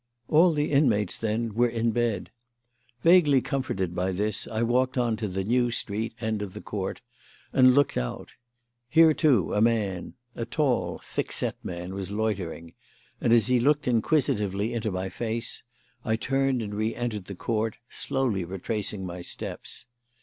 All the inmates, then, were in bed. Vaguely comforted by this, I walked on to the New Street end of the court and looked out. Here, too, a man a tall, thick set man was loitering; and, as he looked inquisitively into my face, I turned and reentered the court, slowly retracing my steps.